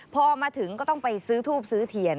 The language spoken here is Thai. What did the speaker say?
พอมาถึงก็ต้องไปซื้อทูบซื้อเทียน